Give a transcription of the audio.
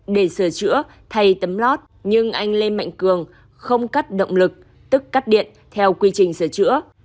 để sửa chữa thay tấm lót nhưng anh lê mạnh cường không cắt động lực tức cắt điện theo quy trình sửa chữa